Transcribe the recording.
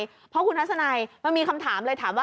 แล้วคุณรัฐสนัยมันมีคำถามเลย